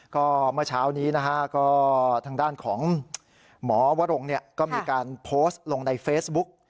ก็เมื่อเช้านี้นะฮะก็ทางด้านของหมอวรงก็มีการโพสต์ลงในเฟซบุ๊ก